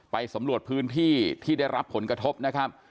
สำรวจพื้นที่ที่ได้รับผลกระทบนะครับ